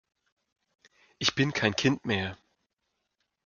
Ich bin kein Kind mehr!